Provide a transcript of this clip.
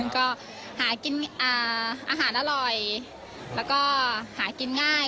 ก็หากินอาหารอร่อยแล้วก็หากินง่าย